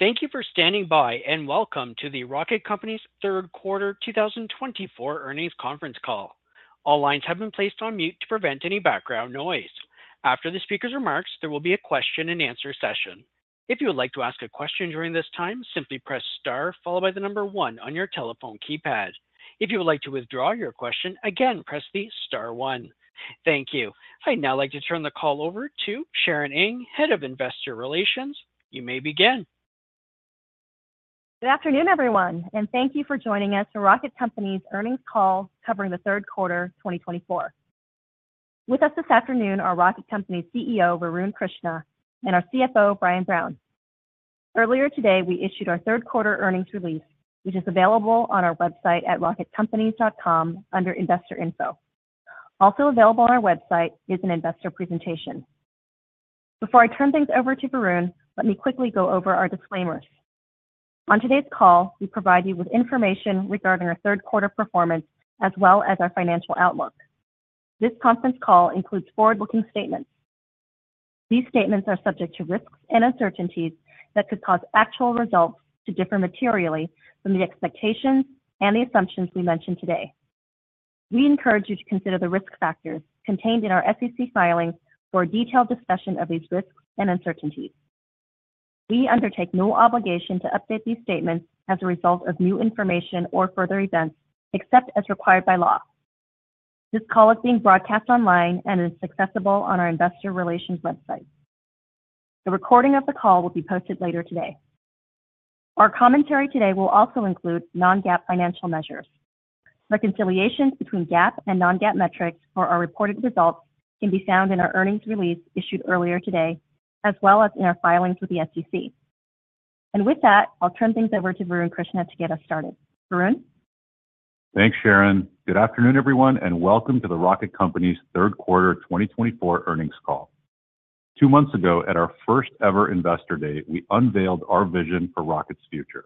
Thank you for standing by, and welcome to the Rocket Companies Third Quarter 2024 earnings conference call. All lines have been placed on mute to prevent any background noise. After the speaker's remarks, there will be a question-and-answer session. If you would like to ask a question during this time, simply press star, followed by the number one on your telephone keypad. If you would like to withdraw your question, again, press the star one. Thank you. I'd now like to turn the call over to Sharon Ng, Head of Investor Relations. You may begin. Good afternoon, everyone, and thank you for joining us for Rocket Companies' earnings call covering the third quarter 2024. With us this afternoon are Rocket Companies CEO Varun Krishna and our CFO Brian Brown. Earlier today, we issued our third quarter earnings release, which is available on our website at rocketcompanies.com under Investor Info. Also available on our website is an investor presentation. Before I turn things over to Varun, let me quickly go over our disclaimers. On today's call, we provide you with information regarding our third quarter performance as well as our financial outlook. This conference call includes forward-looking statements. These statements are subject to risks and uncertainties that could cause actual results to differ materially from the expectations and the assumptions we mentioned today. We encourage you to consider the risk factors contained in our SEC filings for a detailed discussion of these risks and uncertainties. We undertake no obligation to update these statements as a result of new information or further events, except as required by law. This call is being broadcast online and is accessible on our investor relations website. The recording of the call will be posted later today. Our commentary today will also include non-GAAP financial measures. Reconciliations between GAAP and non-GAAP metrics for our reported results can be found in our earnings release issued earlier today, as well as in our filings with the SEC. And with that, I'll turn things over to Varun Krishna to get us started. Varun? Thanks, Sharon. Good afternoon, everyone, and welcome to the Rocket Companies Third Quarter 2024 earnings call. Two months ago, at our first-ever investor day, we unveiled our vision for Rocket's future.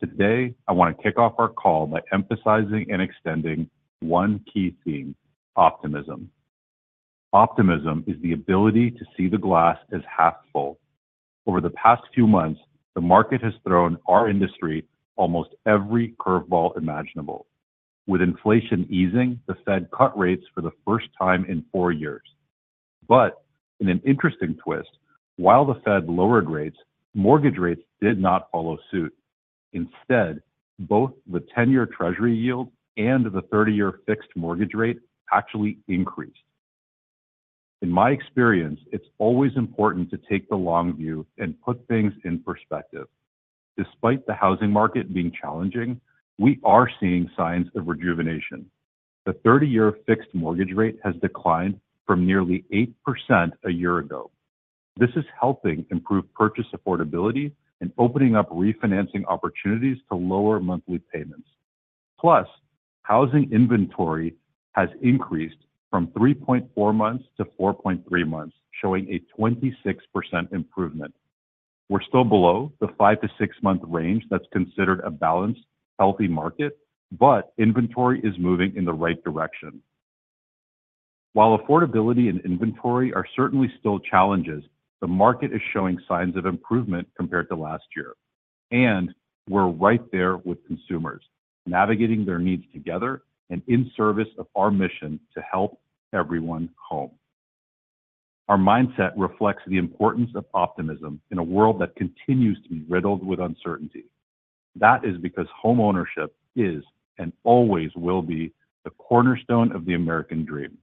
Today, I want to kick off our call by emphasizing and extending one key theme: optimism. Optimism is the ability to see the glass as half full. Over the past few months, the market has thrown our industry almost every curveball imaginable. With inflation easing, the Fed cut rates for the first time in four years. But in an interesting twist, while the Fed lowered rates, mortgage rates did not follow suit. Instead, both the 10-year Treasury yield and the 30-year fixed mortgage rate actually increased. In my experience, it's always important to take the long view and put things in perspective. Despite the housing market being challenging, we are seeing signs of rejuvenation. The 30-year fixed mortgage rate has declined from nearly 8% a year ago. This is helping improve purchase affordability and opening up refinancing opportunities to lower monthly payments. Plus, housing inventory has increased from 3.4 months to 4.3 months, showing a 26% improvement. We're still below the five- to six-month range that's considered a balanced, healthy market, but inventory is moving in the right direction. While affordability and inventory are certainly still challenges, the market is showing signs of improvement compared to last year. And we're right there with consumers, navigating their needs together and in service of our mission to help everyone home. Our mindset reflects the importance of optimism in a world that continues to be riddled with uncertainty. That is because homeownership is, and always will be, the cornerstone of the American dream.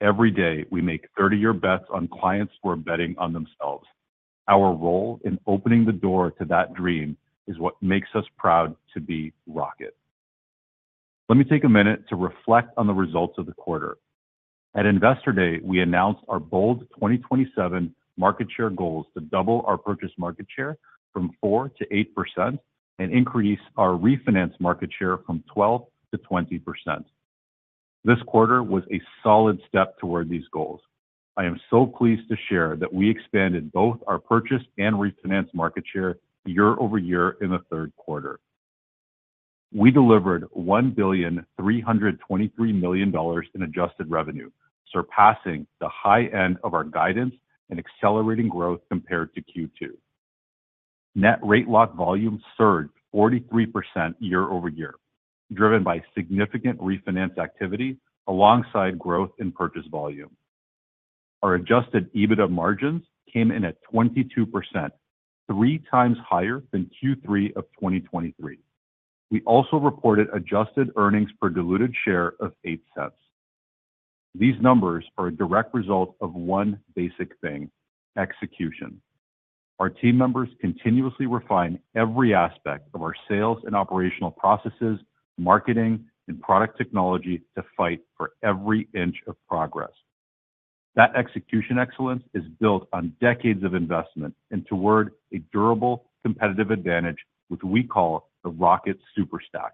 Every day, we make 30-year bets on clients who are betting on themselves. Our role in opening the door to that dream is what makes us proud to be Rocket. Let me take a minute to reflect on the results of the quarter. At investor day, we announced our bold 2027 market share goals to double our purchase market share from 4%-8% and increase our refinance market share from 12%-20%. This quarter was a solid step toward these goals. I am so pleased to share that we expanded both our purchase and refinance market share year over year in the third quarter. We delivered $1,323 million in Adjusted Revenue, surpassing the high end of our guidance and accelerating growth compared to Q2. Net rate lock volume surged 43% year over year, driven by significant refinance activity alongside growth in purchase volume. Our Adjusted EBITDA margins came in at 22%, three times higher than Q3 of 2023. We also reported adjusted earnings per diluted share of $0.08. These numbers are a direct result of one basic thing: execution. Our team members continuously refine every aspect of our sales and operational processes, marketing, and product technology to fight for every inch of progress. That execution excellence is built on decades of investment and toward a durable competitive advantage with what we call the Rocket Super Stack.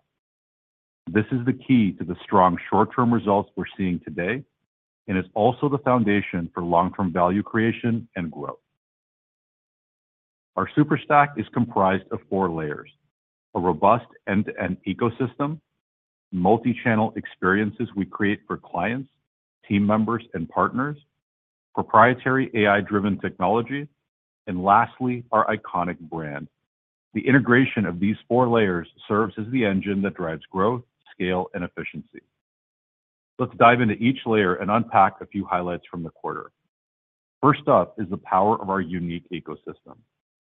This is the key to the strong short-term results we're seeing today and is also the foundation for long-term value creation and growth. Our Super Stack is comprised of four layers: a robust end-to-end ecosystem, multi-channel experiences we create for clients, team members, and partners, proprietary AI-driven technology, and lastly, our iconic brand. The integration of these four layers serves as the engine that drives growth, scale, and efficiency. Let's dive into each layer and unpack a few highlights from the quarter. First up is the power of our unique ecosystem,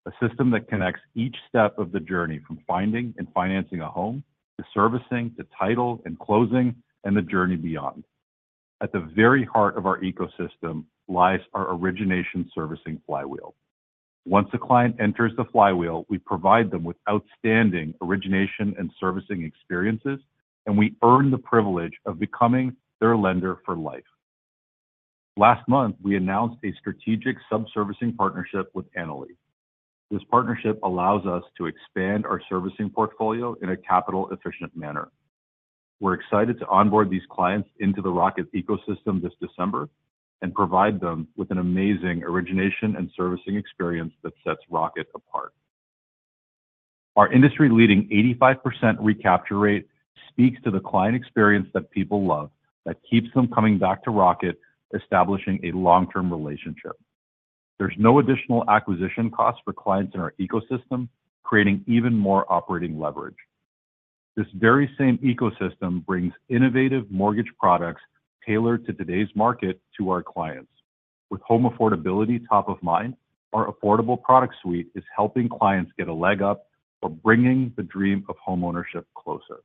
a system that connects each step of the journey from finding and financing a home to servicing to title and closing and the journey beyond. At the very heart of our ecosystem lies our origination servicing flywheel. Once a client enters the flywheel, we provide them with outstanding origination and servicing experiences, and we earn the privilege of becoming their lender for life. Last month, we announced a strategic subservicing partnership with Annaly. This partnership allows us to expand our servicing portfolio in a capital-efficient manner. We're excited to onboard these clients into the Rocket ecosystem this December and provide them with an amazing origination and servicing experience that sets Rocket apart. Our industry-leading 85% recapture rate speaks to the client experience that people love that keeps them coming back to Rocket, establishing a long-term relationship. There's no additional acquisition costs for clients in our ecosystem, creating even more operating leverage. This very same ecosystem brings innovative mortgage products tailored to today's market to our clients. With home affordability top of mind, our affordable product suite is helping clients get a leg up or bringing the dream of homeownership closer.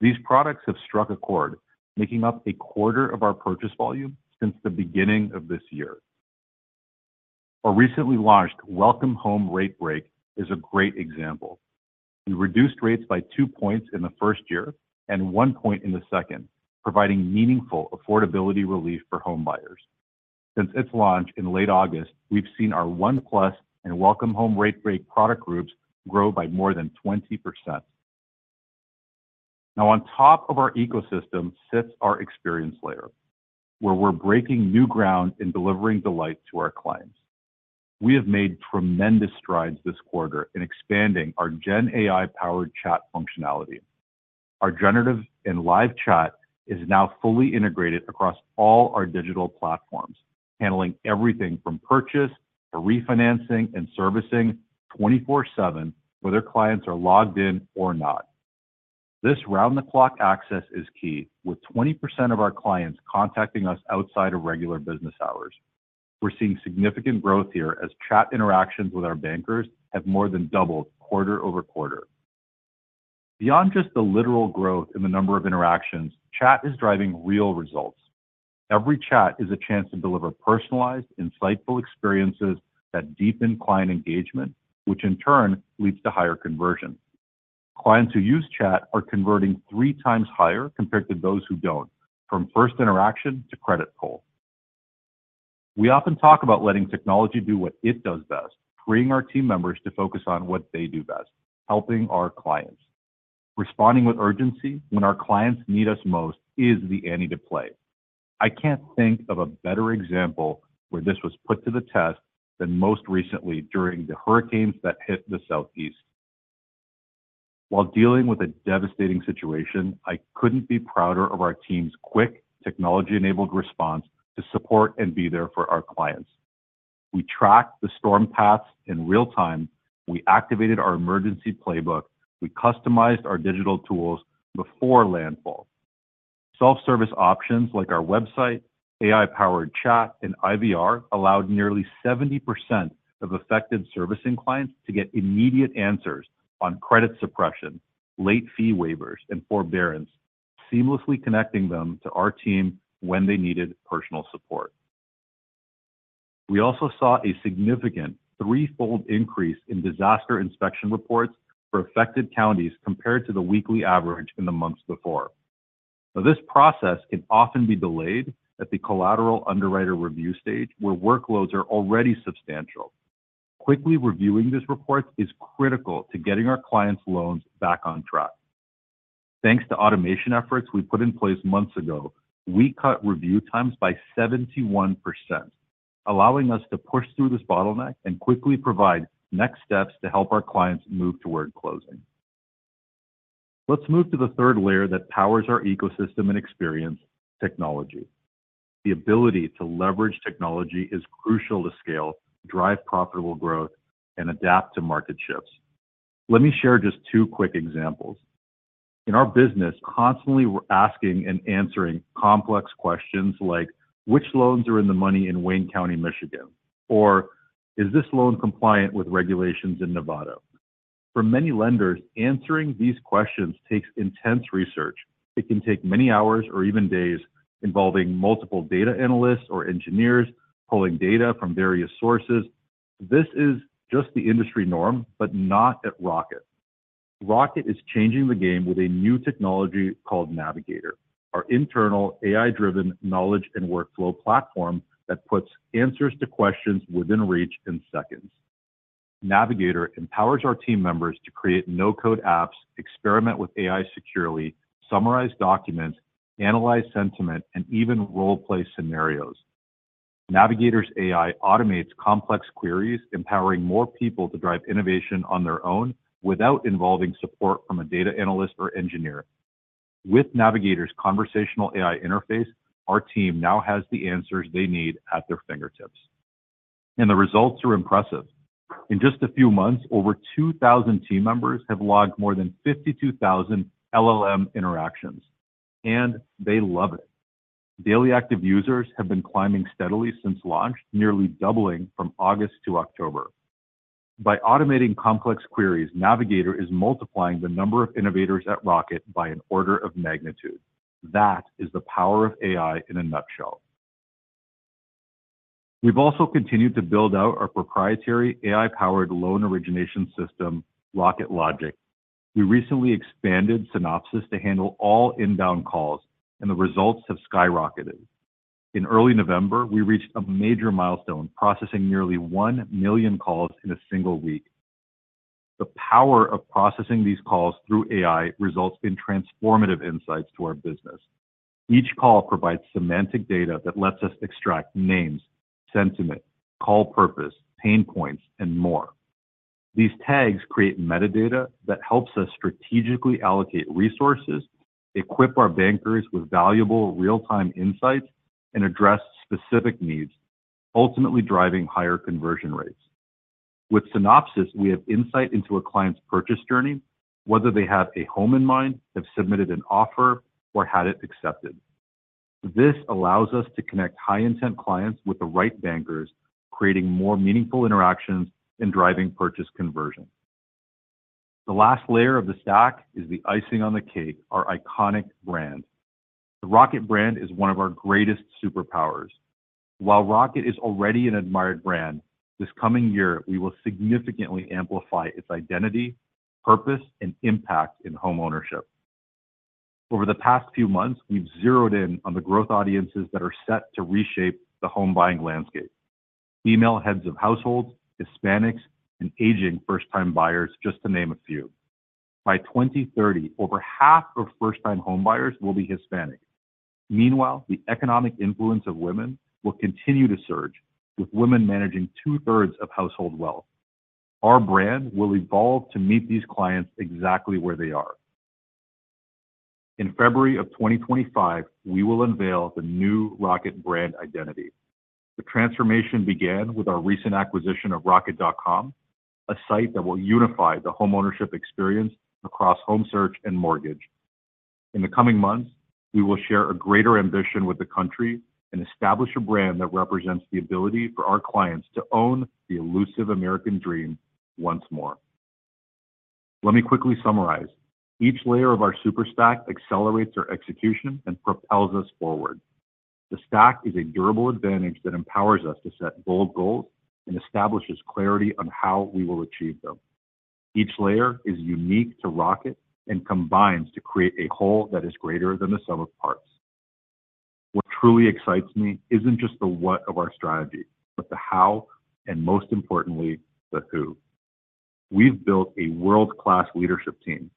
These products have struck a chord, making up a quarter of our purchase volume since the beginning of this year. Our recently launched Welcome Home RateBreak is a great example. We reduced rates by two points in the first year and one point in the second, providing meaningful affordability relief for home buyers. Since its launch in late August, we've seen our ONE+ and Welcome Home RateBreak product groups grow by more than 20%. Now, on top of our ecosystem sits our experience layer, where we're breaking new ground in delivering delight to our clients. We have made tremendous strides this quarter in expanding our Gen AI-powered chat functionality. Our generative and live chat is now fully integrated across all our digital platforms, handling everything from purchase to refinancing and servicing 24/7, whether clients are logged in or not. This round-the-clock access is key, with 20% of our clients contacting us outside of regular business hours. We're seeing significant growth here as chat interactions with our bankers have more than doubled quarter over quarter. Beyond just the literal growth in the number of interactions, chat is driving real results. Every chat is a chance to deliver personalized, insightful experiences that deepen client engagement, which in turn leads to higher conversions. Clients who use chat are converting three times higher compared to those who don't, from first interaction to credit pull. We often talk about letting technology do what it does best, freeing our team members to focus on what they do best, helping our clients. Responding with urgency when our clients need us most is the ante to play. I can't think of a better example where this was put to the test than most recently during the hurricanes that hit the Southeast. While dealing with a devastating situation, I couldn't be prouder of our team's quick, technology-enabled response to support and be there for our clients. We tracked the storm paths in real time. We activated our emergency playbook. We customized our digital tools before landfall. Self-service options like our website, AI-powered chat, and IVR allowed nearly 70% of affected servicing clients to get immediate answers on credit suppression, late fee waivers, and forbearance, seamlessly connecting them to our team when they needed personal support. We also saw a significant threefold increase in disaster inspection reports for affected counties compared to the weekly average in the months before. Now, this process can often be delayed at the Collateral Underwriter review stage, where workloads are already substantial. Quickly reviewing these reports is critical to getting our clients' loans back on track. Thanks to automation efforts we put in place months ago, we cut review times by 71%, allowing us to push through this bottleneck and quickly provide next steps to help our clients move toward closing. Let's move to the third layer that powers our ecosystem and experience: technology. The ability to leverage technology is crucial to scale, drive profitable growth, and adapt to market shifts. Let me share just two quick examples. In our business, constantly asking and answering complex questions like, "Which loans are in the money in Wayne County, Michigan?" or "Is this loan compliant with regulations in Nevada?" For many lenders, answering these questions takes intense research. It can take many hours or even days involving multiple data analysts or engineers pulling data from various sources. This is just the industry norm, but not at Rocket. Rocket is changing the game with a new technology called Navigator, our internal AI-driven knowledge and workflow platform that puts answers to questions within reach in seconds. Navigator empowers our team members to create no-code apps, experiment with AI securely, summarize documents, analyze sentiment, and even role-play scenarios. Navigator's AI automates complex queries, empowering more people to drive innovation on their own without involving support from a data analyst or engineer. With Navigator's conversational AI interface, our team now has the answers they need at their fingertips. And the results are impressive. In just a few months, over 2,000 team members have logged more than 52,000 LLM interactions. And they love it. Daily active users have been climbing steadily since launch, nearly doubling from August to October. By automating complex queries, Navigator is multiplying the number of innovators at Rocket by an order of magnitude. That is the power of AI in a nutshell. We've also continued to build out our proprietary AI-powered loan origination system, Rocket Logic. We recently expanded Synopsis to handle all inbound calls, and the results have skyrocketed. In early November, we reached a major milestone, processing nearly one million calls in a single week. The power of processing these calls through AI results in transformative insights to our business. Each call provides semantic data that lets us extract names, sentiment, call purpose, pain points, and more. These tags create metadata that helps us strategically allocate resources, equip our bankers with valuable real-time insights, and address specific needs, ultimately driving higher conversion rates. With Synopsis, we have insight into a client's purchase journey, whether they have a home in mind, have submitted an offer, or had it accepted. This allows us to connect high-intent clients with the right bankers, creating more meaningful interactions and driving purchase conversion. The last layer of the stack is the icing on the cake, our iconic brand. The Rocket brand is one of our greatest superpowers. While Rocket is already an admired brand, this coming year, we will significantly amplify its identity, purpose, and impact in homeownership. Over the past few months, we've zeroed in on the growth audiences that are set to reshape the home buying landscape: female heads of households, Hispanics, and aging first-time buyers, just to name a few. By 2030, over half of first-time home buyers will be Hispanic. Meanwhile, the economic influence of women will continue to surge, with women managing two-thirds of household wealth. Our brand will evolve to meet these clients exactly where they are. In February of 2025, we will unveil the new Rocket brand identity. The transformation began with our recent acquisition of Rocket.com, a site that will unify the homeownership experience across home search and mortgage. In the coming months, we will share a greater ambition with the country and establish a brand that represents the ability for our clients to own the elusive American dream once more. Let me quickly summarize. Each layer of our Super Stack accelerates our execution and propels us forward. The Stack is a durable advantage that empowers us to set bold goals and establishes clarity on how we will achieve them. Each layer is unique to Rocket and combines to create a whole that is greater than the sum of parts. What truly excites me isn't just the what of our strategy, but the how, and most importantly, the who. We've built a world-class leadership team,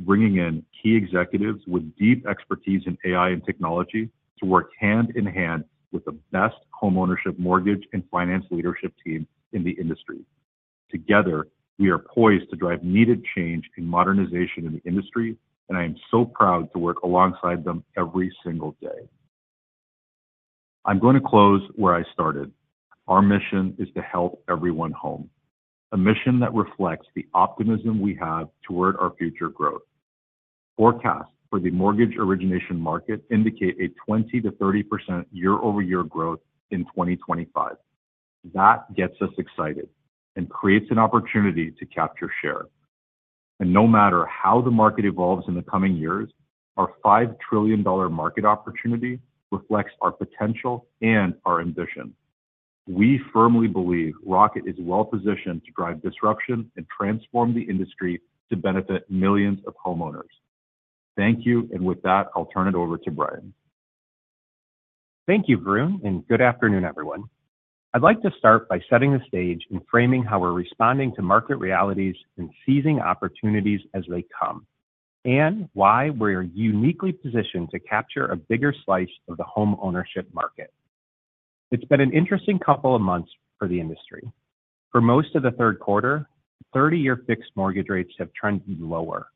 bringing in key executives with deep expertise in AI and technology to work hand in hand with the best homeownership, mortgage, and finance leadership team in the industry. Together, we are poised to drive needed change and modernization in the industry, and I am so proud to work alongside them every single day. I'm going to close where I started. Our mission is to help everyone home, a mission that reflects the optimism we have toward our future growth. Forecasts for the mortgage origination market indicate a 20%-30% year-over-year growth in 2025. That gets us excited and creates an opportunity to capture share, and no matter how the market evolves in the coming years, our $5 trillion market opportunity reflects our potential and our ambition. We firmly believe Rocket is well-positioned to drive disruption and transform the industry to benefit millions of homeowners. Thank you, and with that, I'll turn it over to Brian. Thank you, Varun, and good afternoon, everyone. I'd like to start by setting the stage and framing how we're responding to market realities and seizing opportunities as they come, and why we're uniquely positioned to capture a bigger slice of the homeownership market. It's been an interesting couple of months for the industry. For most of the third quarter, 30-year fixed mortgage rates have trended lower,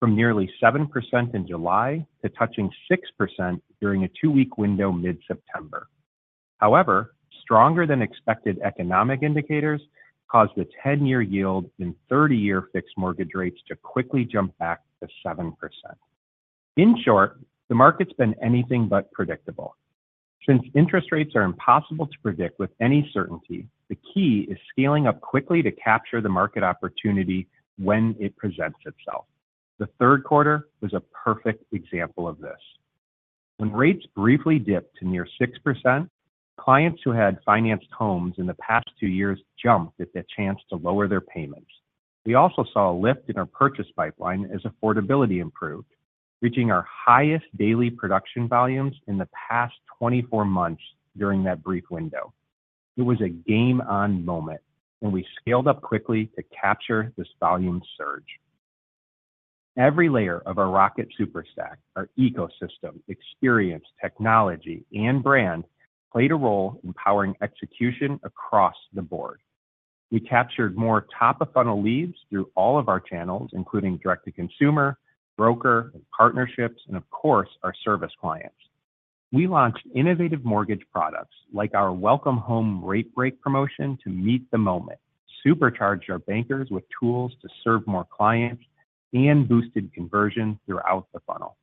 from nearly 7% in July to touching 6% during a two-week window mid-September. However, stronger-than-expected economic indicators caused the 10-year yield in 30-year fixed mortgage rates to quickly jump back to 7%. In short, the market's been anything but predictable. Since interest rates are impossible to predict with any certainty, the key is scaling up quickly to capture the market opportunity when it presents itself. The third quarter was a perfect example of this. When rates briefly dipped to near 6%, clients who had financed homes in the past two years jumped at their chance to lower their payments. We also saw a lift in our purchase pipeline as affordability improved, reaching our highest daily production volumes in the past 24 months during that brief window. It was a game-on moment, and we scaled up quickly to capture this volume surge. Every layer of our Rocket Super Stack, our ecosystem, experience, technology, and brand played a role in powering execution across the board. We captured more top-of-funnel leads through all of our channels, including direct-to-consumer, broker, and partnerships, and of course, our service clients. We launched innovative mortgage products like our Welcome Home RateBreak promotion to meet the moment, supercharged our bankers with tools to serve more clients, and boosted conversion throughout the funnel.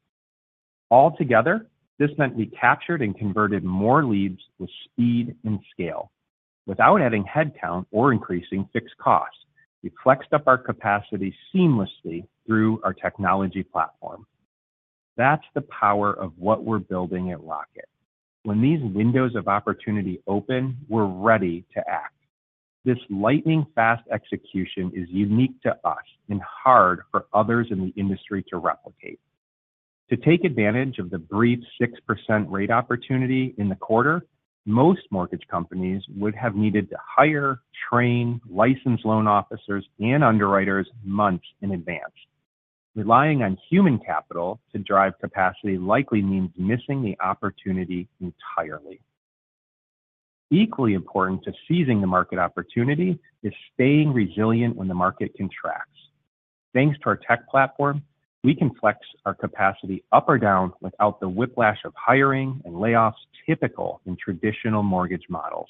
Altogether, this meant we captured and converted more leads with speed and scale. Without adding headcount or increasing fixed costs, we flexed up our capacity seamlessly through our technology platform. That's the power of what we're building at Rocket. When these windows of opportunity open, we're ready to act. This lightning-fast execution is unique to us and hard for others in the industry to replicate. To take advantage of the brief 6% rate opportunity in the quarter, most mortgage companies would have needed to hire, train, license loan officers, and underwriters months in advance. Relying on human capital to drive capacity likely means missing the opportunity entirely. Equally important to seizing the market opportunity is staying resilient when the market contracts. Thanks to our tech platform, we can flex our capacity up or down without the whiplash of hiring and layoffs typical in traditional mortgage models.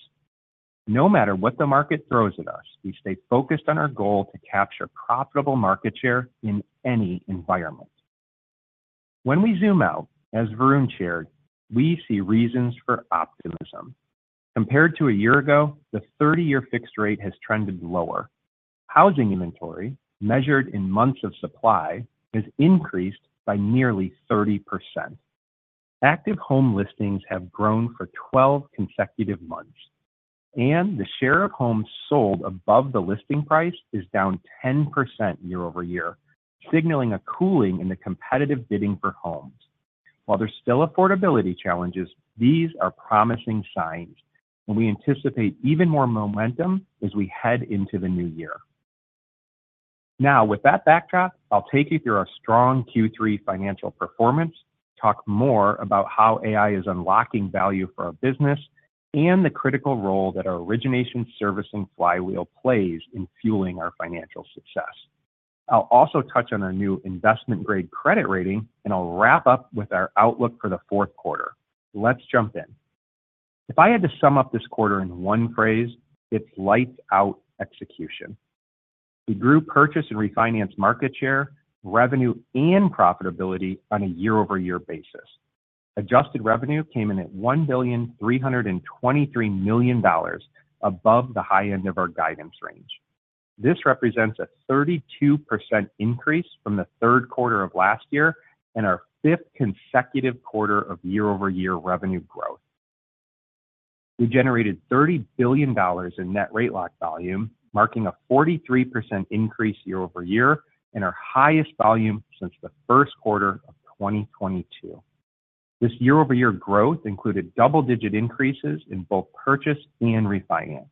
No matter what the market throws at us, we stay focused on our goal to capture profitable market share in any environment. When we zoom out, as Varun shared, we see reasons for optimism. Compared to a year ago, the 30-year fixed rate has trended lower. Housing inventory, measured in months of supply, has increased by nearly 30%. Active home listings have grown for 12 consecutive months. And the share of homes sold above the listing price is down 10% year-over-year, signaling a cooling in the competitive bidding for homes. While there's still affordability challenges, these are promising signs, and we anticipate even more momentum as we head into the new year. Now, with that backdrop, I'll take you through our strong Q3 financial performance, talk more about how AI is unlocking value for our business, and the critical role that our origination servicing flywheel plays in fueling our financial success. I'll also touch on our new investment-grade credit rating, and I'll wrap up with our outlook for the fourth quarter. Let's jump in. If I had to sum up this quarter in one phrase, it's lights-out execution. We grew purchase and refinance market share, revenue, and profitability on a year-over-year basis. Adjusted revenue came in at $1,323 million above the high end of our guidance range. This represents a 32% increase from the third quarter of last year and our fifth consecutive quarter of year-over-year revenue growth. We generated $30 billion in net rate lock volume, marking a 43% increase year-over-year and our highest volume since the first quarter of 2022. This year-over-year growth included double-digit increases in both purchase and refinance.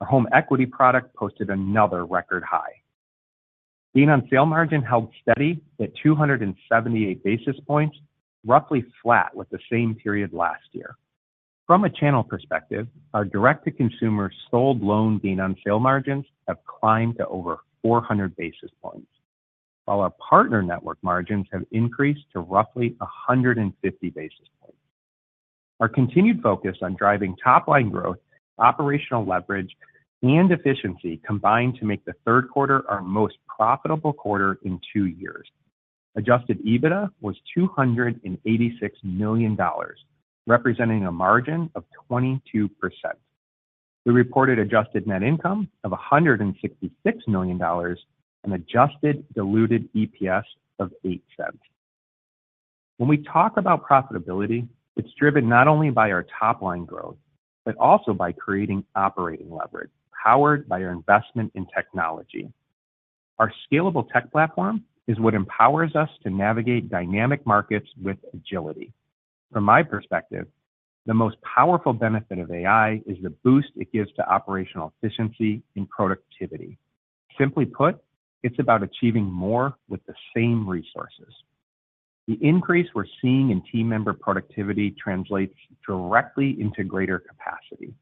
Our home equity product posted another record high. gain-on-sale margins held steady at 278 basis points, roughly flat with the same period last year. From a channel perspective, our direct-to-consumer sold gain-on-sale margins have climbed to over 400 basis points, while our partner network margins have increased to roughly 150 basis points. Our continued focus on driving top-line growth, operational leverage, and efficiency combined to make the third quarter our most profitable quarter in two years. Adjusted EBITDA was $286 million, representing a margin of 22%. We reported adjusted net income of $166 million and adjusted diluted EPS of $0.08. When we talk about profitability, it's driven not only by our top-line growth, but also by creating operating leverage powered by our investment in technology. Our scalable tech platform is what empowers us to navigate dynamic markets with agility. From my perspective, the most powerful benefit of AI is the boost it gives to operational efficiency and productivity. Simply put, it's about achieving more with the same resources. The increase we're seeing in team member productivity translates directly into greater capacity.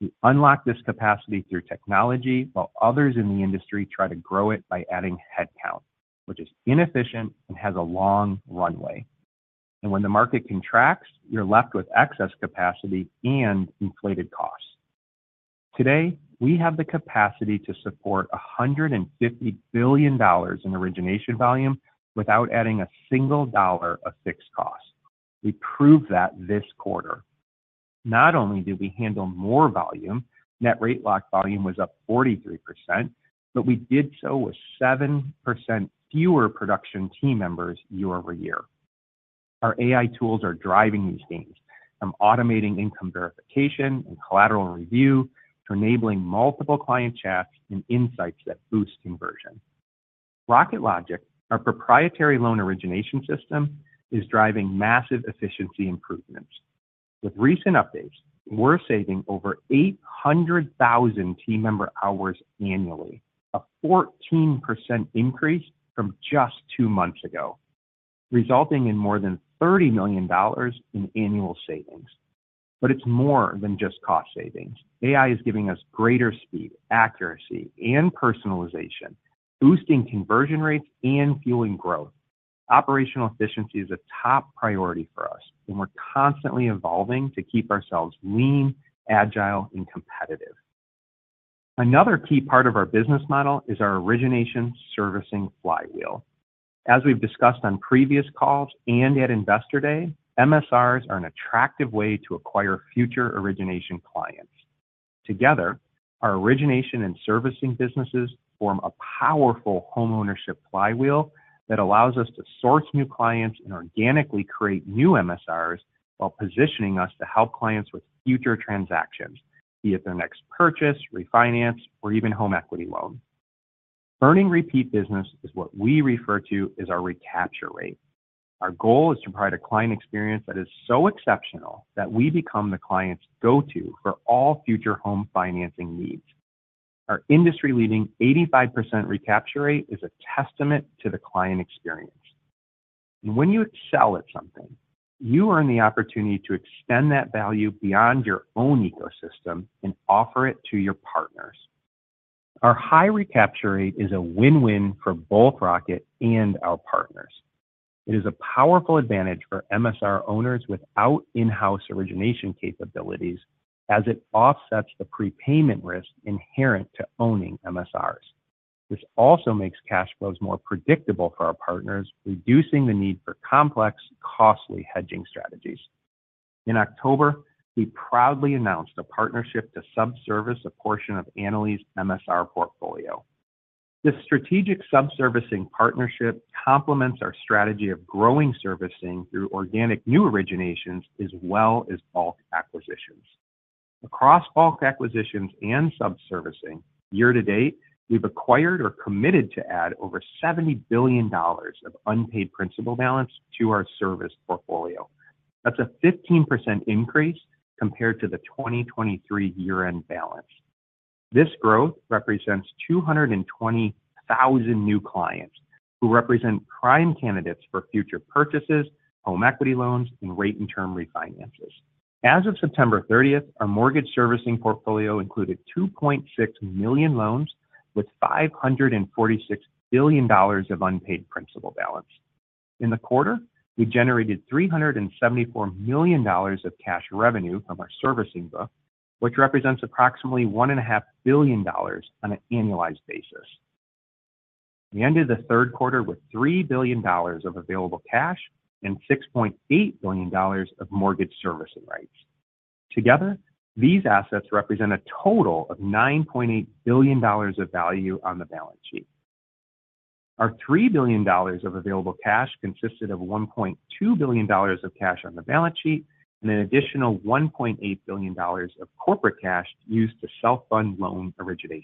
We unlock this capacity through technology while others in the industry try to grow it by adding headcount, which is inefficient and has a long runway, and when the market contracts, you're left with excess capacity and inflated costs. Today, we have the capacity to support $150 billion in origination volume without adding a single dollar of fixed cost. We proved that this quarter. Not only did we handle more volume, net rate lock volume was up 43%, but we did so with 7% fewer production team members year-over-year. Our AI tools are driving these gains, from automating income verification and collateral review to enabling multiple client chats and insights that boost conversion. Rocket Logic, our proprietary loan origination system, is driving massive efficiency improvements. With recent updates, we're saving over 800,000 team member hours annually, a 14% increase from just two months ago, resulting in more than $30 million in annual savings. But it's more than just cost savings. AI is giving us greater speed, accuracy, and personalization, boosting conversion rates and fueling growth. Operational efficiency is a top priority for us, and we're constantly evolving to keep ourselves lean, agile, and competitive. Another key part of our business model is our Origination Servicing Flywheel. As we've discussed on previous calls and at Investor Day, MSRs are an attractive way to acquire future origination clients. Together, our origination and servicing businesses form a powerful homeownership flywheel that allows us to source new clients and organically create new MSRs while positioning us to help clients with future transactions, be it their next purchase, refinance, or even home equity loans. Earning repeat business is what we refer to as our recapture rate. Our goal is to provide a client experience that is so exceptional that we become the client's go-to for all future home financing needs. Our industry-leading 85% recapture rate is a testament to the client experience, and when you excel at something, you earn the opportunity to extend that value beyond your own ecosystem and offer it to your partners. Our high recapture rate is a win-win for both Rocket and our partners. It is a powerful advantage for MSR owners without in-house origination capabilities, as it offsets the prepayment risk inherent to owning MSRs. This also makes cash flows more predictable for our partners, reducing the need for complex, costly hedging strategies. In October, we proudly announced a partnership to sub-service a portion of Annaly's MSR portfolio. This strategic subservicing partnership complements our strategy of growing servicing through organic new originations as well as bulk acquisitions. Across bulk acquisitions and subservicing, year to date, we've acquired or committed to add over $70 billion of unpaid principal balance to our service portfolio. That's a 15% increase compared to the 2023 year-end balance. This growth represents 220,000 new clients who represent prime candidates for future purchases, home equity loans, and rate and term refinances. As of September 30th, our mortgage servicing portfolio included 2.6 million loans with $546 billion of unpaid principal balance. In the quarter, we generated $374 million of cash revenue from our servicing book, which represents approximately $1.5 billion on an annualized basis. We ended the third quarter with $3 billion of available cash and $6.8 billion of mortgage servicing rights. Together, these assets represent a total of $9.8 billion of value on the balance sheet. Our $3 billion of available cash consisted of $1.2 billion of cash on the balance sheet and an additional $1.8 billion of corporate cash used to self-fund loan originations,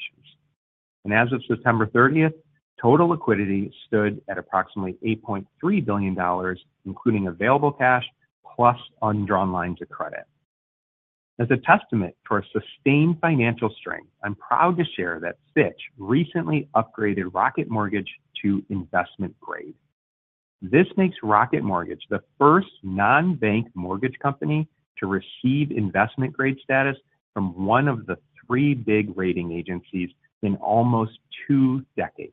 as of September 30th, total liquidity stood at approximately $8.3 billion, including available cash plus undrawn lines of credit. As a testament to our sustained financial strength, I'm proud to share that Fitch recently upgraded Rocket Mortgage to investment grade. This makes Rocket Mortgage the first non-bank mortgage company to receive investment grade status from one of the three big rating agencies in almost two decades.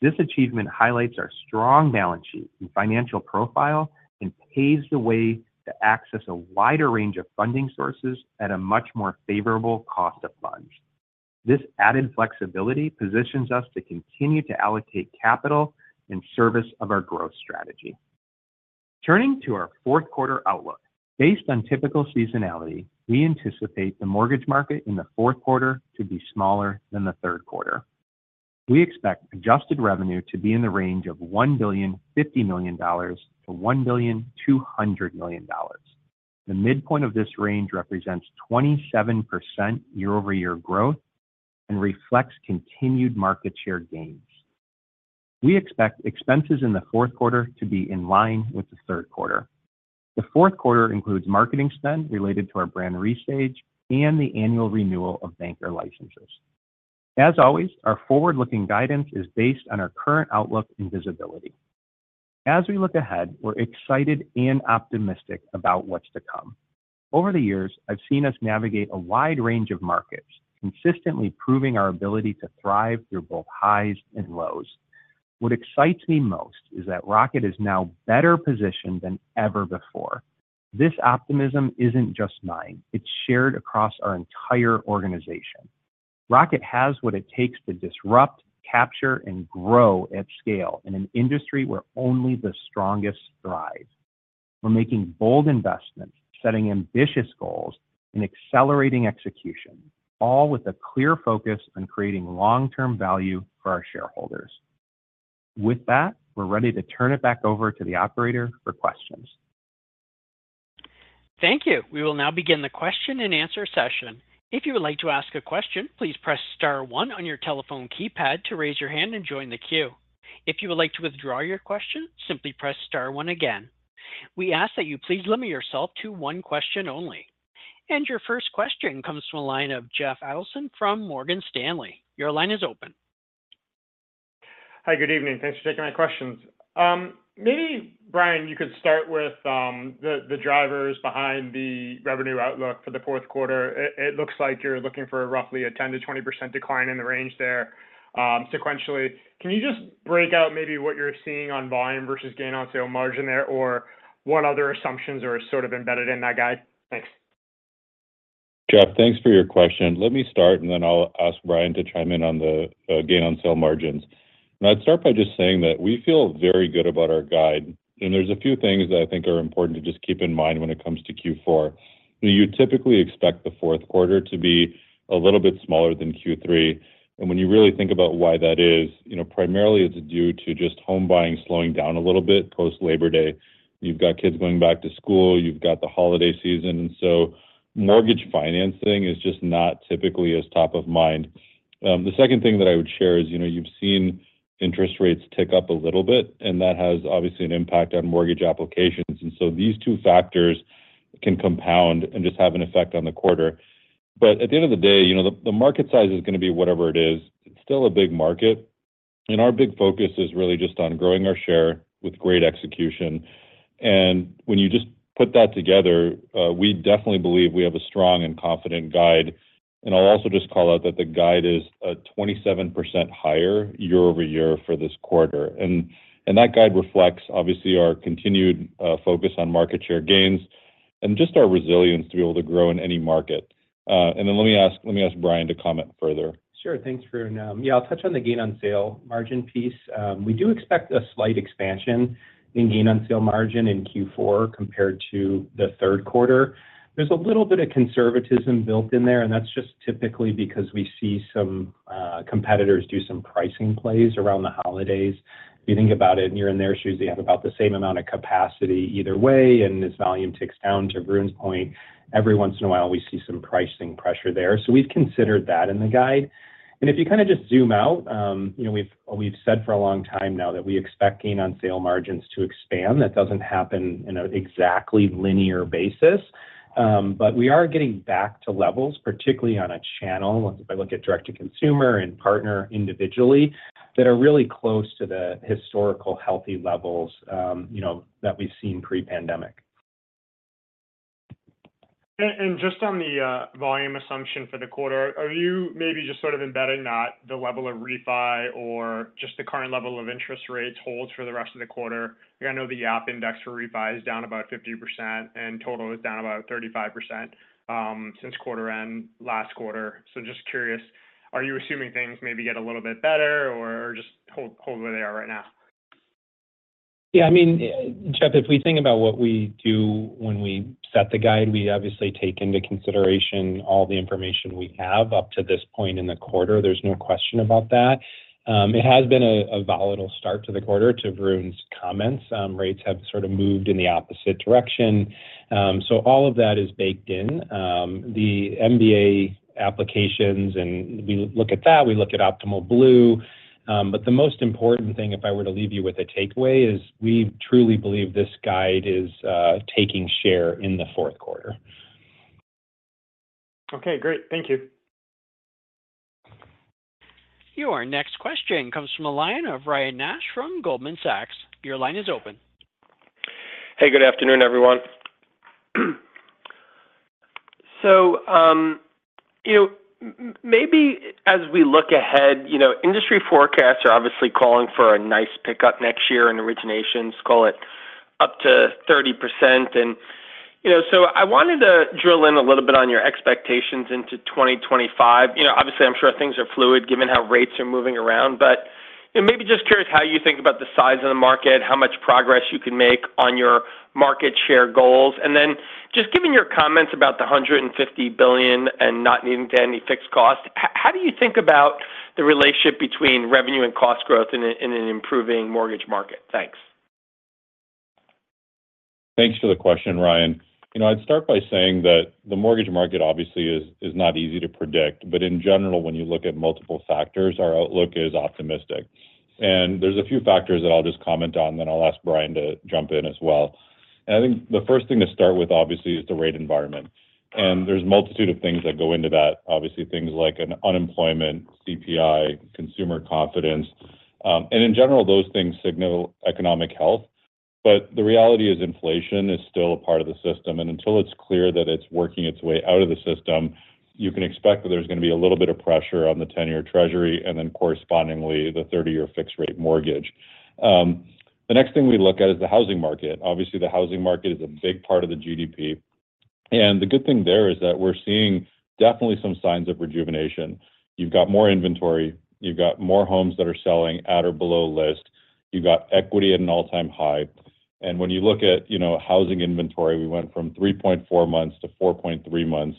This achievement highlights our strong balance sheet and financial profile and paves the way to access a wider range of funding sources at a much more favorable cost of funds. This added flexibility positions us to continue to allocate capital in service of our growth strategy. Turning to our fourth quarter outlook, based on typical seasonality, we anticipate the mortgage market in the fourth quarter to be smaller than the third quarter. We expect Adjusted Revenue to be in the range of $1,050 million-$1,200 million. The midpoint of this range represents 27% year-over-year growth and reflects continued market share gains. We expect expenses in the fourth quarter to be in line with the third quarter. The fourth quarter includes marketing spend related to our brand restage and the annual renewal of banker licenses. As always, our forward-looking guidance is based on our current outlook and visibility. As we look ahead, we're excited and optimistic about what's to come. Over the years, I've seen us navigate a wide range of markets, consistently proving our ability to thrive through both highs and lows. What excites me most is that Rocket is now better positioned than ever before. This optimism isn't just mine. It's shared across our entire organization. Rocket has what it takes to disrupt, capture, and grow at scale in an industry where only the strongest thrive. We're making bold investments, setting ambitious goals, and accelerating execution, all with a clear focus on creating long-term value for our shareholders. With that, we're ready to turn it back over to the operator for questions. Thank you. We will now begin the question and answer session. If you would like to ask a question, please press star one on your telephone keypad to raise your hand and join the queue. If you would like to withdraw your question, simply press star one again. We ask that you please limit yourself to one question only. And your first question comes from a line of Jeff Adelson from Morgan Stanley. Your line is open. Hi, good evening. Thanks for taking my questions. Maybe, Brian, you could start with the drivers behind the revenue outlook for the fourth quarter. It looks like you're looking for roughly a 10%-20% decline in the range there sequentially. Can you just break out maybe what you're seeing on volume versus gain-on-sale margins there, or what other assumptions are sort of embedded in that guide? Thanks. Jeff, thanks for your question. Let me start, and then I'll ask Brian to chime in on gain-on-sale margins. i'd start by just saying that we feel very good about our guide. There's a few things that I think are important to just keep in mind when it comes to Q4. You typically expect the fourth quarter to be a little bit smaller than Q3. When you really think about why that is, primarily it's due to just home buying slowing down a little bit post-Labor Day. You've got kids going back to school. You've got the holiday season. Mortgage financing is just not typically as top of mind. The second thing that I would share is you've seen interest rates tick up a little bit, and that has obviously an impact on mortgage applications. And so these two factors can compound and just have an effect on the quarter. But at the end of the day, the market size is going to be whatever it is. It's still a big market. And our big focus is really just on growing our share with great execution. And when you just put that together, we definitely believe we have a strong and confident guide. And I'll also just call out that the guide is 27% higher year-over-year for this quarter. And that guide reflects, obviously, our continued focus on market share gains and just our resilience to be able to grow in any market. And then let me ask Brian to comment further. Sure. Thanks, Varun. Yeah, I'll touch on the gain-on-sale margins piece. We do expect a slight expansion in gain-on-sale margins in Q4 compared to the third quarter. There's a little bit of conservatism built in there, and that's just typically because we see some competitors do some pricing plays around the holidays. If you think about it, year in and year out, Zillow has about the same amount of capacity either way. And as volume ticks down, to Varun point, every once in a while, we see some pricing pressure there. So we've considered that in the guide. And if you kind of just zoom out, we've said for a long time now that we gain-on-sale margins to expand. That doesn't happen on an exactly linear basis. But we are getting back to levels, particularly on a channel, if I look at direct-to-consumer and partner individually, that are really close to the historical healthy levels that we've seen pre-pandemic. And just on the volume assumption for the quarter, are you maybe just sort of embedding that the level of refi or just the current level of interest rates holds for the rest of the quarter? I know the app index for refi is down about 50%, and total is down about 35% since quarter-end last quarter. So just curious, are you assuming things maybe get a little bit better or just hopefully they are right now? Yeah. I mean, Jeff, if we think about what we do when we set the guide, we obviously take into consideration all the information we have up to this point in the quarter. There's no question about that. It has been a volatile start to the quarter, to Varun's comments. Rates have sort of moved in the opposite direction. So all of that is baked in. The MBA applications, and we look at that. We look at Optimal Blue. But the most important thing, if I were to leave you with a takeaway, is we truly believe this guide is taking share in the fourth quarter. Okay. Great. Thank you. Your next question comes from a line of Ryan Nash from Goldman Sachs. Your line is open. Hey, good afternoon, everyone. So maybe as we look ahead, industry forecasts are obviously calling for a nice pickup next year in originations, call it up to 30%. And so I wanted to drill in a little bit on your expectations into 2025. Obviously, I'm sure things are fluid given how rates are moving around. But maybe just curious how you think about the size of the market, how much progress you can make on your market share goals. Then, just given your comments about the $150 billion and not needing to have any fixed cost, how do you think about the relationship between revenue and cost growth in an improving mortgage market? Thanks. Thanks for the question, Ryan. I'd start by saying that the mortgage market obviously is not easy to predict, but in general, when you look at multiple factors, our outlook is optimistic, and there's a few factors that I'll just comment on, then I'll ask Brian to jump in as well, and I think the first thing to start with, obviously, is the rate environment, and there's a multitude of things that go into that, obviously, things like unemployment, CPI, consumer confidence, and in general, those things signal economic health, but the reality is inflation is still a part of the system. And until it's clear that it's working its way out of the system, you can expect that there's going to be a little bit of pressure on the 10-year Treasury and then correspondingly the 30-year fixed-rate mortgage. The next thing we look at is the housing market. Obviously, the housing market is a big part of the GDP. And the good thing there is that we're seeing definitely some signs of rejuvenation. You've got more inventory. You've got more homes that are selling at or below list. You've got equity at an all-time high. And when you look at housing inventory, we went from 3.4 months to 4.3 months.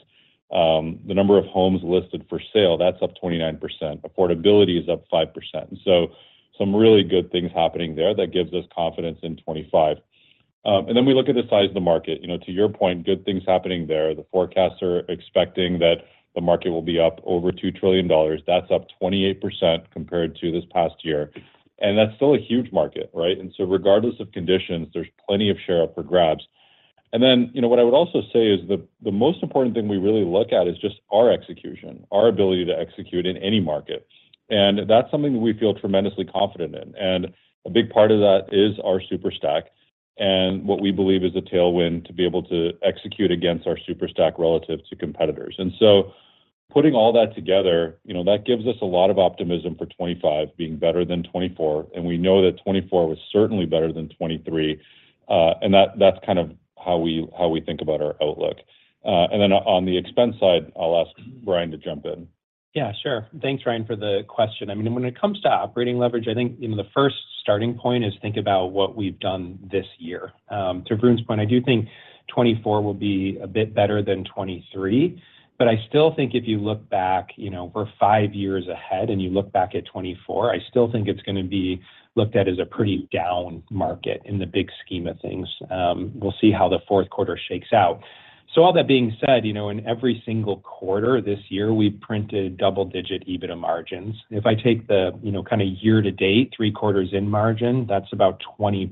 The number of homes listed for sale, that's up 29%. Affordability is up 5%. And so some really good things happening there that gives us confidence in 2025. And then we look at the size of the market. To your point, good things happening there. The forecasts are expecting that the market will be up over $2 trillion. That's up 28% compared to this past year. And that's still a huge market, right? And so regardless of conditions, there's plenty of share up for grabs. And then what I would also say is the most important thing we really look at is just our execution, our ability to execute in any market. And that's something that we feel tremendously confident in. And a big part of that is our super stack and what we believe is a tailwind to be able to execute against our super stack relative to competitors. And so putting all that together, that gives us a lot of optimism for 2025 being better than 2024. And we know that 2024 was certainly better than 2023. That's kind of how we think about our outlook. And then on the expense side, I'll ask Brian to jump in. Yeah, sure. Thanks, Ryan, for the question. I mean, when it comes to operating leverage, I think the first starting point is think about what we've done this year. To Varun's point, I do think 2024 will be a bit better than 2023. But I still think if you look back, we're five years ahead, and you look back at 2024, I still think it's going to be looked at as a pretty down market in the big scheme of things. We'll see how the fourth quarter shakes out. So all that being said, in every single quarter this year, we've printed double-digit EBITDA margins. If I take the kind of year-to-date, three quarters in margin, that's about 20%.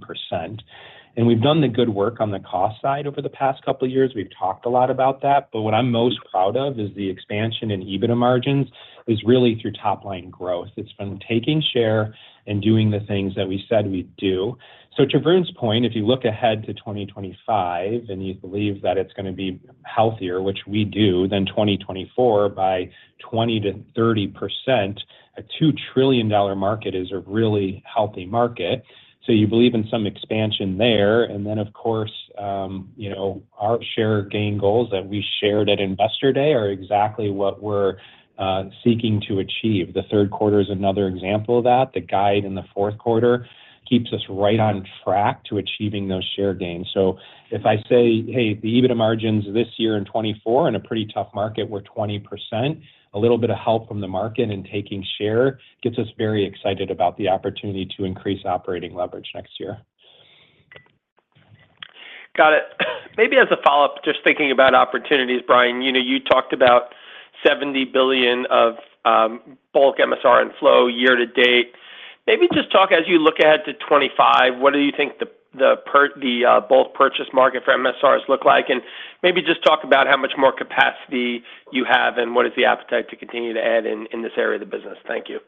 We've done the good work on the cost side over the past couple of years. We've talked a lot about that. What I'm most proud of is the expansion in EBITDA margins is really through top-line growth. It's been taking share and doing the things that we said we'd do. To Varun's point, if you look ahead to 2025 and you believe that it's going to be healthier, which we do, than 2024 by 20%-30%, a $2 trillion market is a really healthy market. You believe in some expansion there. Then, of course, our share gain goals that we shared at investor day are exactly what we're seeking to achieve. The third quarter is another example of that. The guide in the fourth quarter keeps us right on track to achieving those share gains. So if I say, "Hey, the EBITDA margins this year in 2024 in a pretty tough market were 20%," a little bit of help from the market in taking share gets us very excited about the opportunity to increase operating leverage next year. Got it. Maybe as a follow-up, just thinking about opportunities, Brian, you talked about $70 billion of bulk MSR in flow year-to-date. Maybe just talk as you look ahead to 2025, what do you think the bulk purchase market for MSRs look like? And maybe just talk about how much more capacity you have and what is the appetite to continue to add in this area of the business. Thank you.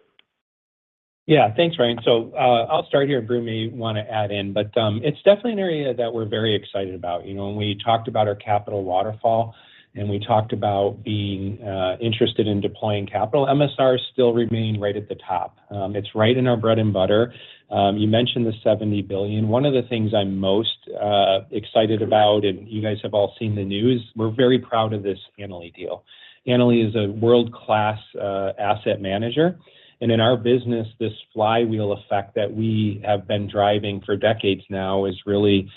Yeah. Thanks, Ryan. So I'll start here, and Bruce may want to add in. But it's definitely an area that we're very excited about. When we talked about our capital waterfall and we talked about being interested in deploying capital, MSRs still remain right at the top. It's right in our bread and butter. You mentioned the $70 billion. One of the things I'm most excited about, and you guys have all seen the news, we're very proud of this Annaly deal. Annaly is a world-class asset manager, and in our business, this flywheel effect that we have been driving for decades now is really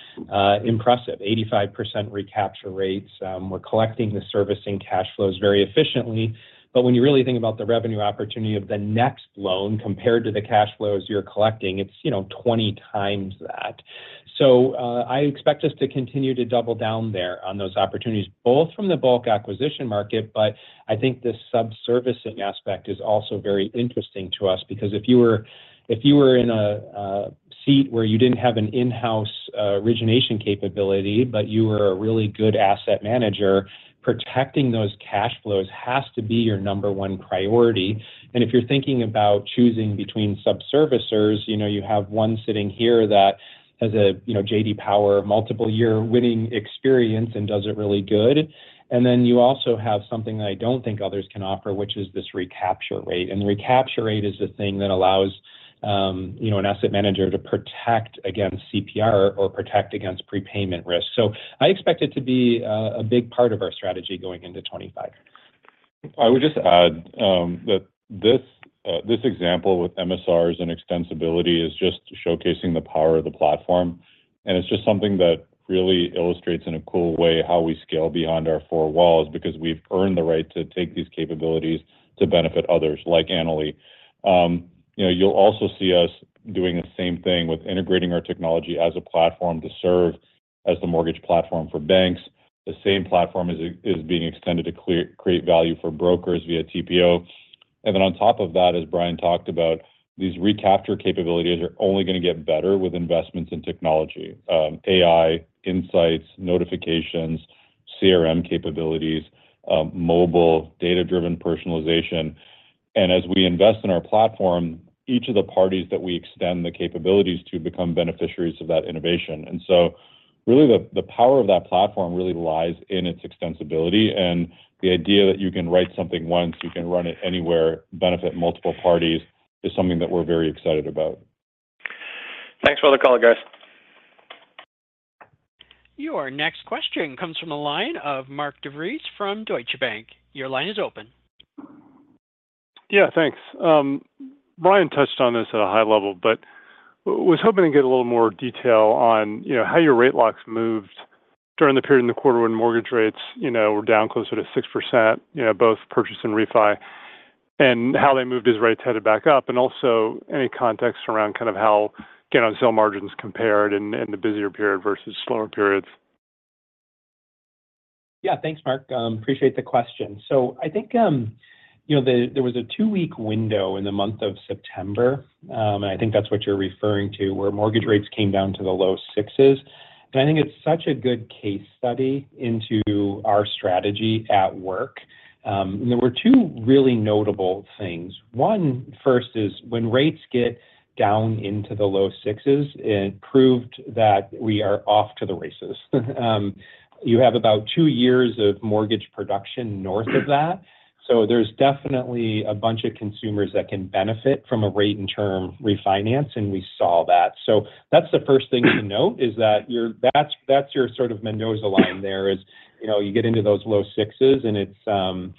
impressive: 85% recapture rates. We're collecting the servicing cash flows very efficiently, but when you really think about the revenue opportunity of the next loan compared to the cash flows you're collecting, it's 20 times that. So I expect us to continue to double down there on those opportunities, both from the bulk acquisition market, but I think the subservicing aspect is also very interesting to us because if you were in a seat where you didn't have an in-house origination capability, but you were a really good asset manager, protecting those cash flows has to be your number one priority. And if you're thinking about choosing between sub-servicers, you have one sitting here that has a J.D. Power multiple-year winning experience and does it really good. And then you also have something that I don't think others can offer, which is this recapture rate. And the recapture rate is the thing that allows an asset manager to protect against CPR or protect against prepayment risk. So I expect it to be a big part of our strategy going into 2025. I would just add that this example with MSRs and extensibility is just showcasing the power of the platform. And it's just something that really illustrates in a cool way how we scale beyond our four walls because we've earned the right to take these capabilities to benefit others like Annaly. You'll also see us doing the same thing with integrating our technology as a platform to serve as the mortgage platform for banks, the same platform is being extended to create value for brokers via TPO. And then on top of that, as Brian talked about, these recapture capabilities are only going to get better with investments in technology: AI, insights, notifications, CRM capabilities, mobile, data-driven personalization. And as we invest in our platform, each of the parties that we extend the capabilities to become beneficiaries of that innovation. And so really, the power of that platform really lies in its extensibility. And the idea that you can write something once, you can run it anywhere, benefit multiple parties is something that we're very excited about. Thanks for the call, guys. Your next question comes from a line of Mark DeVries from Deutsche Bank. Your line is open. Yeah, thanks. Brian touched on this at a high level, but was hoping to get a little more detail on how your rate locks moved during the period in the quarter when mortgage rates were down closer to 6%, both purchase and refi, and how they moved as rates headed back up, and also any context around kind of how sale margins compared in the busier period versus slower periods? Yeah. Thanks, Mark. Appreciate the question. So, I think there was a two-week window in the month of September, and I think that's what you're referring to, where mortgage rates came down to the low sixes. And I think it's such a good case study into our strategy at work. And there were two really notable things. One, first, is when rates get down into the low sixes, it proved that we are off to the races. You have about two years of mortgage production north of that. So there's definitely a bunch of consumers that can benefit from a rate-and-term refinance, and we saw that. So that's the first thing to note is that that's your sort of Mendoza line there is you get into those low sixes, and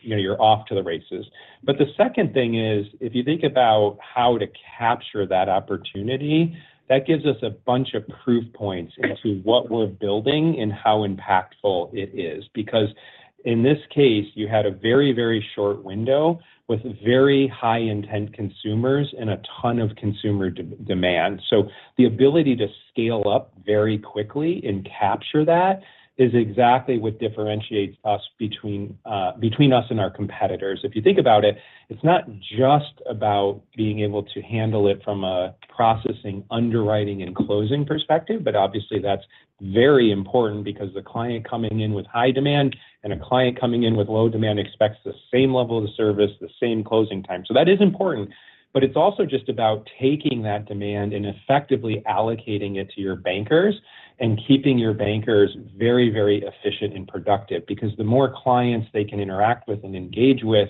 you're off to the races. But the second thing is, if you think about how to capture that opportunity, that gives us a bunch of proof points into what we're building and how impactful it is. Because in this case, you had a very, very short window with very high-intent consumers and a ton of consumer demand. So the ability to scale up very quickly and capture that is exactly what differentiates between us and our competitors. If you think about it, it's not just about being able to handle it from a processing, underwriting, and closing perspective, but obviously, that's very important because the client coming in with high demand and a client coming in with low demand expects the same level of service, the same closing time. So that is important. But it's also just about taking that demand and effectively allocating it to your bankers and keeping your bankers very, very efficient and productive. Because the more clients they can interact with and engage with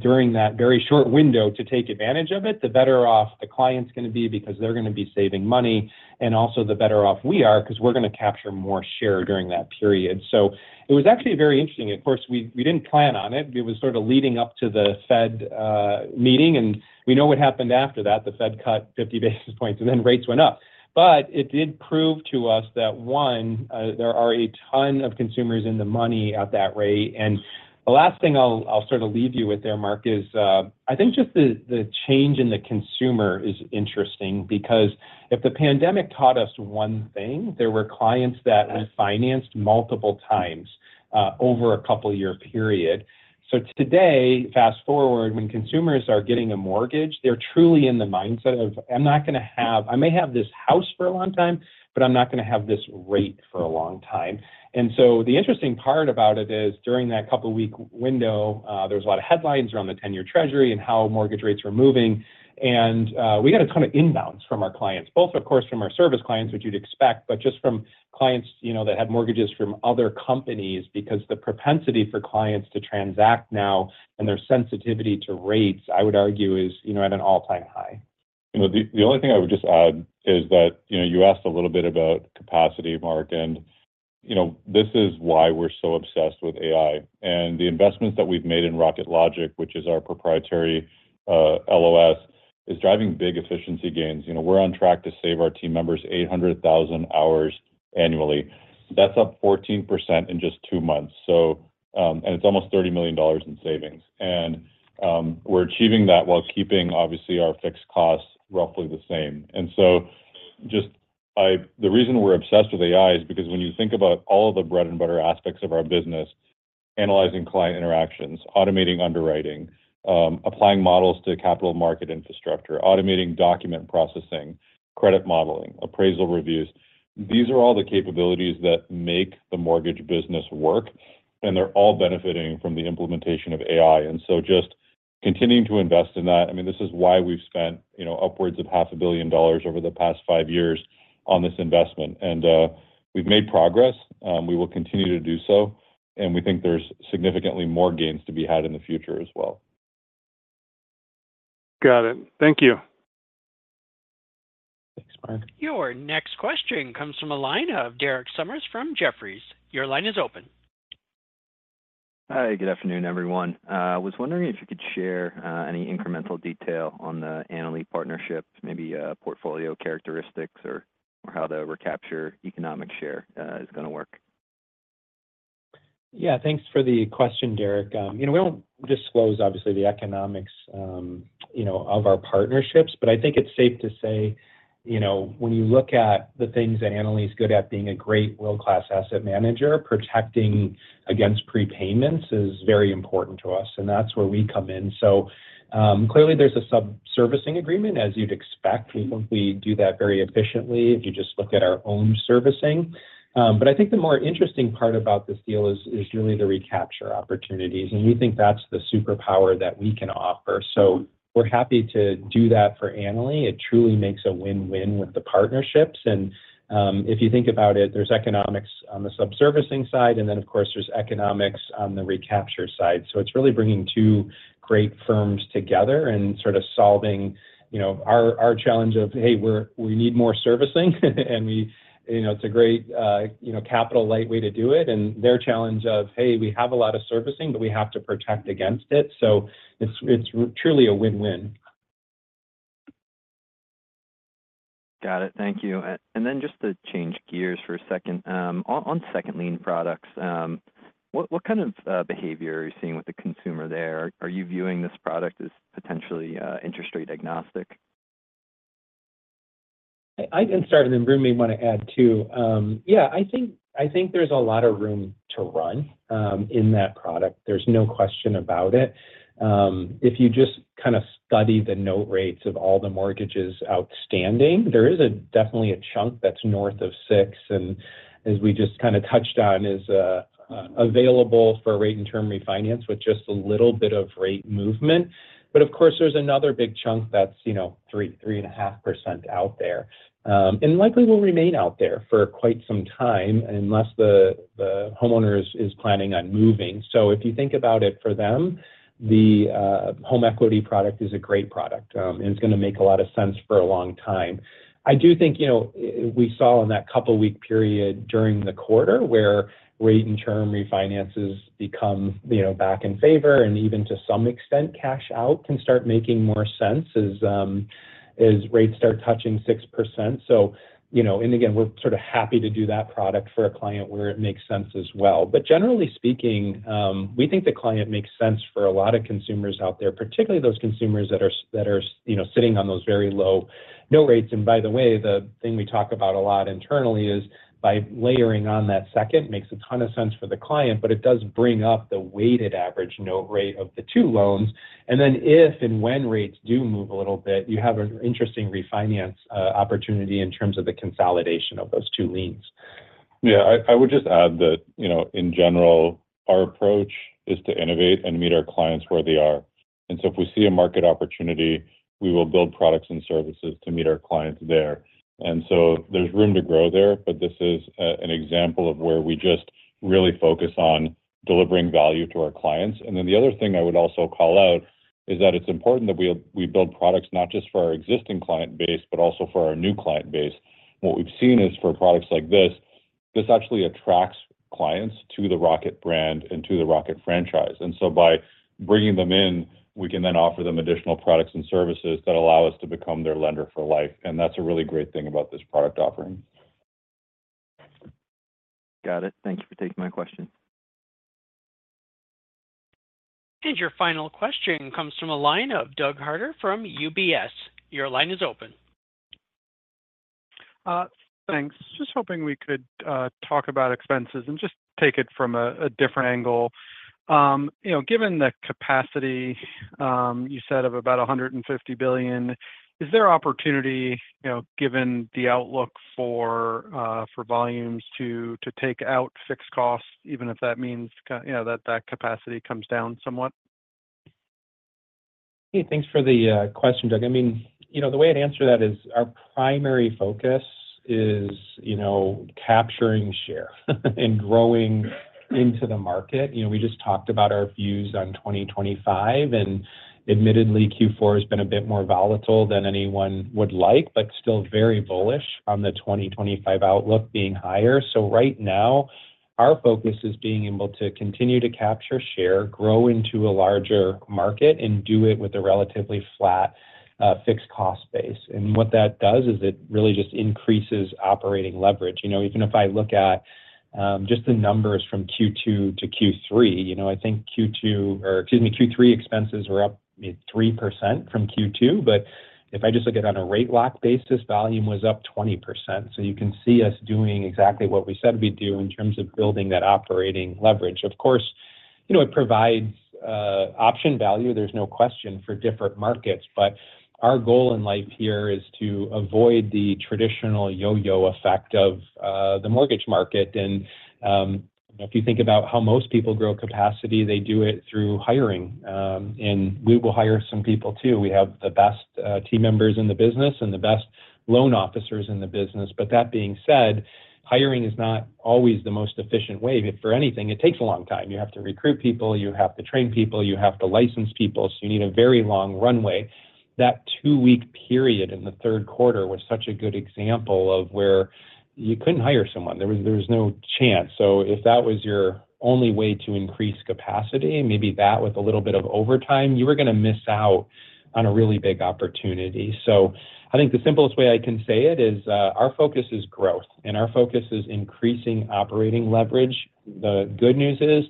during that very short window to take advantage of it, the better off the client's going to be because they're going to be saving money, and also the better off we are because we're going to capture more share during that period. So it was actually very interesting. Of course, we didn't plan on it. It was sort of leading up to the Fed meeting. And we know what happened after that. The Fed cut 50 basis points, and then rates went up. But it did prove to us that, one, there are a ton of consumers in the money at that rate. And the last thing I'll sort of leave you with there, Mark, is I think just the change in the consumer is interesting because if the pandemic taught us one thing, there were clients that refinanced multiple times over a couple-year period. So today, fast forward, when consumers are getting a mortgage, they're truly in the mindset of, "I'm not going to have I may have this house for a long time, but I'm not going to have this rate for a long time." And so the interesting part about it is during that couple-week window, there's a lot of headlines around the 10-year Treasury and how mortgage rates are moving. We got a ton of inbounds from our clients, both, of course, from our service clients, which you'd expect, but just from clients that had mortgages from other companies because the propensity for clients to transact now and their sensitivity to rates, I would argue, is at an all-time high. The only thing I would just add is that you asked a little bit about capacity, Mark, and this is why we're so obsessed with AI. The investments that we've made in Rocket Logic, which is our proprietary LOS, are driving big efficiency gains. We're on track to save our team members 800,000 hours annually. That's up 14% in just two months. It's almost $30 million in savings. We're achieving that while keeping, obviously, our fixed costs roughly the same. And so just the reason we're obsessed with AI is because when you think about all of the bread-and-butter aspects of our business, analyzing client interactions, automating underwriting, applying models to capital market infrastructure, automating document processing, credit modeling, appraisal reviews, these are all the capabilities that make the mortgage business work, and they're all benefiting from the implementation of AI. And so just continuing to invest in that, I mean, this is why we've spent upwards of $500 million over the past five years on this investment. And we've made progress. We will continue to do so. And we think there's significantly more gains to be had in the future as well. Got it. Thank you. Thanks, Mark. Your next question comes from a line of Derek Sommers from Jefferies. Your line is open. Hi. Good afternoon, everyone. I was wondering if you could share any incremental detail on the Annaly partnership, maybe portfolio characteristics or how the recapture economic share is going to work. Yeah. Thanks for the question, Derek. We don't disclose, obviously, the economics of our partnerships, but I think it's safe to say when you look at the things that Annaly is good at, being a great world-class asset manager, protecting against prepayments is very important to us. And that's where we come in. So clearly, there's a subservicing agreement, as you'd expect. We do that very efficiently if you just look at our own servicing. But I think the more interesting part about this deal is really the recapture opportunities. And we think that's the superpower that we can offer. So we're happy to do that for Annaly. It truly makes a win-win with the partnerships. If you think about it, there's economics on the subservicing side, and then, of course, there's economics on the recapture side. So it's really bringing two great firms together and sort of solving our challenge of, "Hey, we need more servicing," and it's a great capital-light way to do it, and their challenge of, "Hey, we have a lot of servicing, but we have to protect against it." So it's truly a win-win. Got it. Thank you. Then just to change gears for a second, on second-lien products, what kind of behavior are you seeing with the consumer there? Are you viewing this product as potentially interest rate agnostic? I can start, and then Varun may want to add too. Yeah. I think there's a lot of room to run in that product. There's no question about it. If you just kind of study the note rates of all the mortgages outstanding, there is definitely a chunk that's north of 6, and as we just kind of touched on, is available for rate-and-term refinance with just a little bit of rate movement, but of course, there's another big chunk that's 3%-3.5% out there and likely will remain out there for quite some time unless the homeowner is planning on moving, so if you think about it for them, the home equity product is a great product, and it's going to make a lot of sense for a long time. I do think we saw in that couple-week period during the quarter where rate-and-term refinances become back in favor and even to some extent cash out can start making more sense as rates start touching 6%. And again, we're sort of happy to do that product for a client where it makes sense as well. But generally speaking, we think the client makes sense for a lot of consumers out there, particularly those consumers that are sitting on those very low note rates. And by the way, the thing we talk about a lot internally is by layering on that second makes a ton of sense for the client, but it does bring up the weighted average note rate of the two loans. And then if and when rates do move a little bit, you have an interesting refinance opportunity in terms of the consolidation of those two liens. Yeah. I would just add that, in general, our approach is to innovate and meet our clients where they are. And so if we see a market opportunity, we will build products and services to meet our clients there. And so there's room to grow there, but this is an example of where we just really focus on delivering value to our clients. And then the other thing I would also call out is that it's important that we build products not just for our existing client base, but also for our new client base. What we've seen is for products like this, this actually attracts clients to the Rocket brand and to the Rocket franchise. And so by bringing them in, we can then offer them additional products and services that allow us to become their lender for life. And that's a really great thing about this product offering. Got it. Thanks for taking my question. And your final question comes from a line of Doug Harter from UBS. Your line is open. Thanks. Just hoping we could talk about expenses and just take it from a different angle. Given the capacity you said of about $150 billion, is there opportunity, given the outlook for volumes, to take out fixed costs, even if that means that that capacity comes down somewhat? Hey, thanks for the question, Doug. I mean, the way I'd answer that is our primary focus is capturing share and growing into the market. We just talked about our views on 2025, and admittedly, Q4 has been a bit more volatile than anyone would like, but still very bullish on the 2025 outlook being higher. So right now, our focus is being able to continue to capture share, grow into a larger market, and do it with a relatively flat fixed cost base. And what that does is it really just increases operating leverage. Even if I look at just the numbers from Q2 to Q3, I think Q2 or excuse me, Q3 expenses were up 3% from Q2. But if I just look at it on a rate lock basis, volume was up 20%. So you can see us doing exactly what we said we'd do in terms of building that operating leverage. Of course, it provides option value. There's no question for different markets. But our goal in life here is to avoid the traditional yo-yo effect of the mortgage market. And if you think about how most people grow capacity, they do it through hiring. And we will hire some people too. We have the best team members in the business and the best loan officers in the business. But that being said, hiring is not always the most efficient way. For anything, it takes a long time. You have to recruit people. You have to train people. You have to license people. So you need a very long runway. That two-week period in the third quarter was such a good example of where you couldn't hire someone. There was no chance. So if that was your only way to increase capacity, maybe that with a little bit of overtime, you were going to miss out on a really big opportunity. So I think the simplest way I can say it is our focus is growth, and our focus is increasing operating leverage. The good news is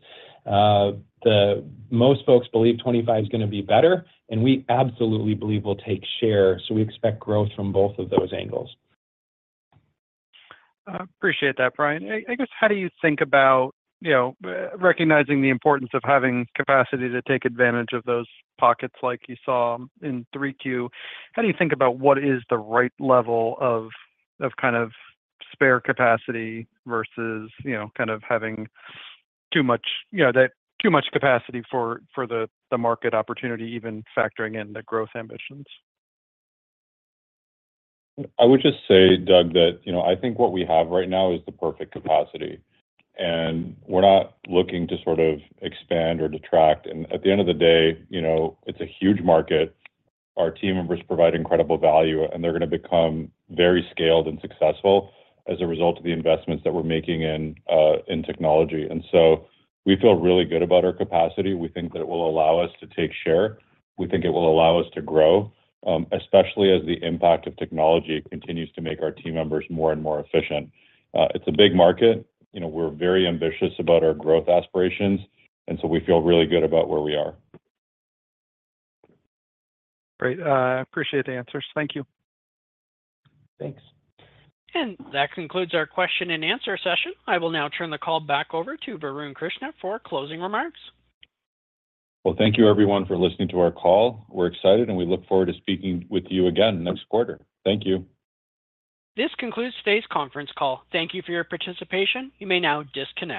most folks believe '25 is going to be better, and we absolutely believe we'll take share. So we expect growth from both of those angles. Appreciate that, Brian. I guess, how do you think about recognizing the importance of having capacity to take advantage of those pockets like you saw in 3Q? How do you think about what is the right level of kind of spare capacity versus kind of having too much capacity for the market opportunity, even factoring in the growth ambitions? I would just say, Doug, that I think what we have right now is the perfect capacity, and we're not looking to sort of expand or detract, and at the end of the day, it's a huge market. Our team members provide incredible value, and they're going to become very scaled and successful as a result of the investments that we're making in technology, and so we feel really good about our capacity. We think that it will allow us to take share. We think it will allow us to grow, especially as the impact of technology continues to make our team members more and more efficient. It's a big market. We're very ambitious about our growth aspirations. And so we feel really good about where we are. Great. Appreciate the answers. Thank you. Thanks. And that concludes our question and answer session. I will now turn the call back over to Varun Krishna for closing remarks. Well, thank you, everyone, for listening to our call. We're excited, and we look forward to speaking with you again next quarter. Thank you. This concludes today's conference call. Thank you for your participation. You may now disconnect.